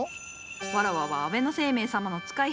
わらわは安倍晴明様の使い。